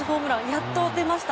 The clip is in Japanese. やっと出ました。